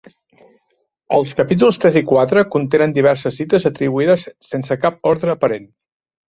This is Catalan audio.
Els capítols tres i quatre contenen diverses dites atribuïdes sense cap ordre aparent.